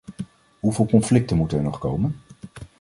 Hoeveel conflicten moeten er nog komen?